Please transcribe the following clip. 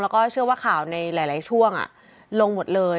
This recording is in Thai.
แล้วก็เชื่อว่าข่าวในหลายช่วงลงหมดเลย